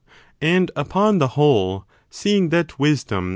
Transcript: And upon the whole,^ seeing that wisdom i.